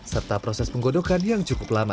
serta proses penggodokan yang cukup lama